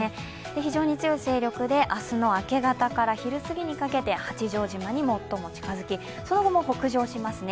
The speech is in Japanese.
非常に強い勢力で明日の明け方から昼過ぎにかけて、八丈島に最も近づきその後も北上しますね。